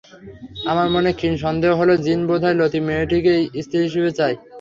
আমার মনে ক্ষীণ সন্দেহ হল-জিন বোধহয় লতিফ মেয়েটিকেই স্ত্রী হিসেবে চায়।